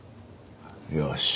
よし。